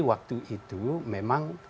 waktu itu memang